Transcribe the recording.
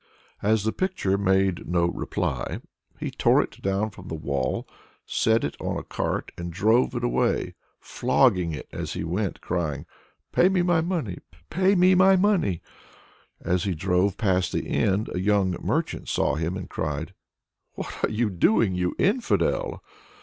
And as the picture made no reply, he tore it down from the wall, set it on a cart and drove it away, flogging it as he went, and crying "Pay me my money! Pay me my money!" As he drove past the inn a young merchant saw him, and cried "What are you doing, you infidel!"